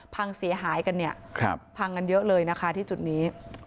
พังเสียหายกันเนี่ยพังกันเยอะเลยนะคะที่จุดนี้